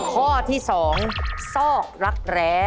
ข้อที่๒ซอกรักแร้